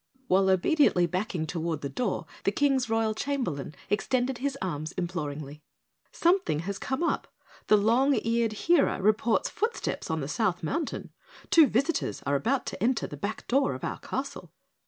While obediently backing toward the door, the King's Royal Chamberlain extended his arms imploringly. "Something has come up, the Long Eared Hearer reports footsteps on the South Mountain. Two visitors are about to enter the back door of our castle."